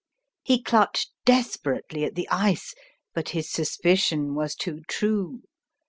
He clutched desperately at the ice; but his suspicion was too true.